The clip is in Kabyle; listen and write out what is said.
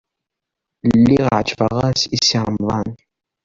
Lliɣ ɛejbeɣ-as i Si Remḍan.